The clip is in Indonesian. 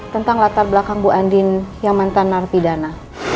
tentang latar belakang bu andin yang mantan narapidana